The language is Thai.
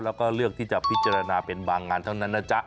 แล้วก็เลือกที่จะพิจารณาเป็นบางงานเท่านั้นนะจ๊ะ